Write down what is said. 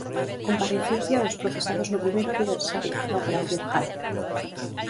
Comparecencia dos procesados no primeiro aniversario da 'Operación Jaro'.